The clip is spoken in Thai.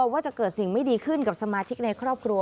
ว่าจะเกิดสิ่งไม่ดีขึ้นกับสมาชิกในครอบครัว